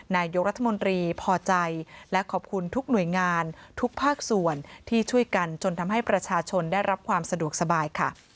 นายกรัฐมนตรีพอใจและขอบคุณทุกหน่วยงานทุกภาคส่วนที่ช่วยกันจนทำให้ประชาชนได้รับความสะดวกสบายค่ะ